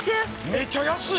めっちゃ安く。